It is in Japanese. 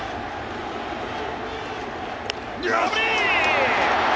空振り！